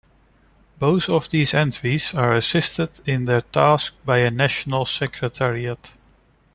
Both of these entities are assisted in their tasks by a national secretariat.